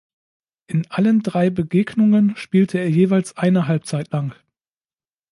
In allen drei Begegnungen spielte er jeweils eine Halbzeit lang.